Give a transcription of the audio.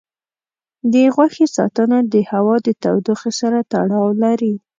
د غوښې ساتنه د هوا د تودوخې سره تړاو لري.